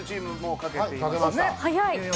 書けました。